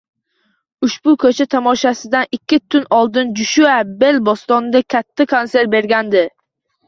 Ushbu koʻcha tomoshasidan ikki kun oldin Joshua Bell Bostonda katta konsert bergandi